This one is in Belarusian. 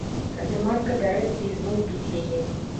Тады матка бярэцца ізноў біць яе.